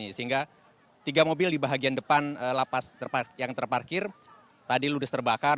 sehingga tiga mobil di bagian depan lapas yang terparkir tadi ludes terbakar